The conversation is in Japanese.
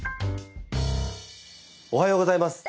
おはようございます。